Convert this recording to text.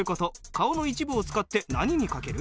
顔の一部を使って何に掛ける？